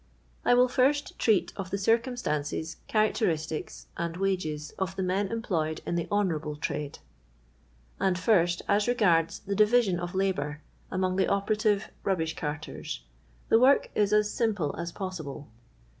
I will first treat of the circumstances, charac teristics, and wages of the m^n employed in the honourable trade. And first, as regards the divmon of labour among the operative rubbish carters, the work is as simple as possible.